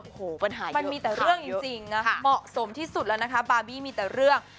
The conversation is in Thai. โอ้โหปัญหานี้มันมีแต่เรื่องจริงนะเหมาะสมที่สุดแล้วนะคะบาร์บี้มีแต่เรื่อง